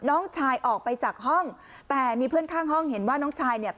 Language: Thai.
น้องชายออกไปจากห้องแต่มีเพื่อนข้างห้องเห็นว่าน้องชายเนี่ย